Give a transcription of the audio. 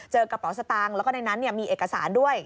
เจอกระเป๋าสตางค์แล้วในนั้นเนี่ยมีเอกสารด้วย